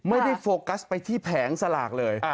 โฟกัสไปที่แผงสลากเลย